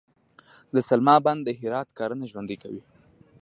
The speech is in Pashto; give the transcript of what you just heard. د سلما بند د هرات کرنه ژوندي کوي